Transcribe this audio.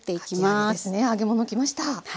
かき揚げですね揚げ物きました。